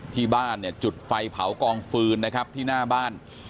ที่บ้านเนี่ยจุดไฟเผากองฟืนนะครับที่หน้าบ้าน